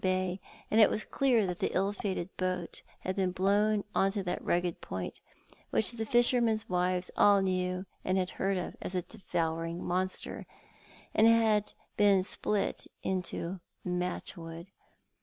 i6i Bay, and it was clear the ill fated boat had been blown on to that rugged point — which the fishermen's wives all knew and had heard of as a devouring monster — and had been split into matchwood.